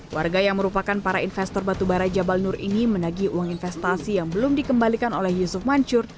warga yang merupakan para investor batubara jabal nur ini menagi uang investasi yang belum dikembalikan oleh yusuf mancur